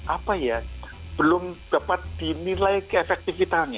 apa ya belum dapat dinilai keefektifitasnya